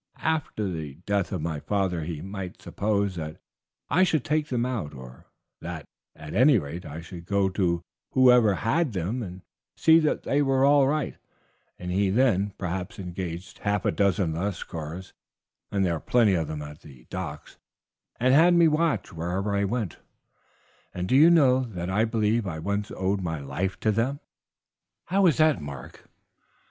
After the death of my father he might suppose that I should take them out, or that, at any rate, I should go to whoever had them, and see that they were all right, and he then, perhaps, engaged half a dozen Lascars there are plenty of them at the docks and had me watched wherever I went; and, do you know, that I believe I once owed my life to them." "How was that, Mark?"